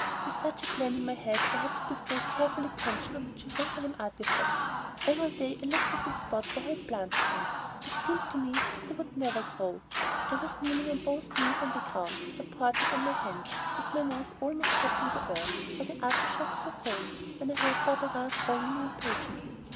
With such a plan in my head I had to bestow careful attention on my Jerusalem artichokes. Every day I looked at the spot where I had planted them, it seemed to me that they would never grow. I was kneeling on both knees on the ground, supported on my hands, with my nose almost touching the earth where the artichokes were sown, when I heard Barberin calling me impatiently.